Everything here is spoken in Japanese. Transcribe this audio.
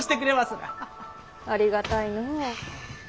ありがたいのう。